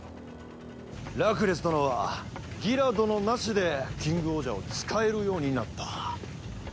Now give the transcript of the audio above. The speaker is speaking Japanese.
ラクレス殿はギラ殿なしでキングオージャーを使えるようになった。